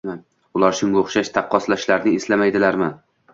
Ular shunga o'xshash taqqoslashlarni eslamaydilarmi?